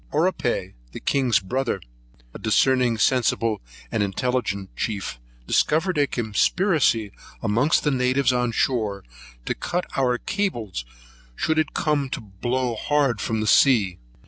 Oripai, the king's brother, a discerning, sensible, and intelligent chief, discovered a conspiracy amongst the natives on shore to cut our cables should it come to blow hard from the sea.